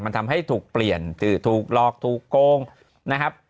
มันทำให้ถูกเปลี่ยนถูกหลอกถูกโกงนะครับ